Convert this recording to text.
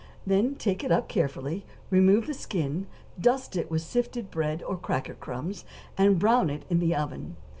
Then take it up carefully, remove the skin, dust it with sifted bread or cracker crumbs, and brown it in the oven.